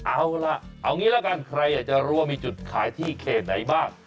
เอาล่ะเอางี้ละกันใครอยากจะรู้ว่ามีจุดขายที่เขตไหนบ้าง